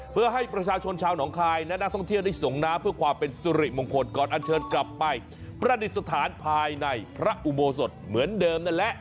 เพื่อให้ประชาชนชาวหนองคายและนักท่องเที่ยวได้ส่งน้ำเพื่อความเป็นสุริมงคลก่อนอันเชิญกลับไปประดิษฐานภายในพระอุโบสถเหมือนเดิมนั่นแหละ